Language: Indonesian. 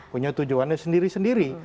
punya tujuannya sendiri sendiri